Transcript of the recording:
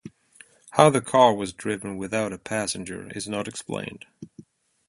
How the car was driven without a passenger is not explained.